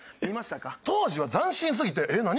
当時は斬新すぎて「えっ何？